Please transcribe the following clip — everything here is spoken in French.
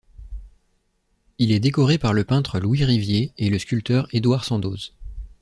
Il est décoré par le peintre Louis Rivier, et le sculpteur Édouard Sandoz.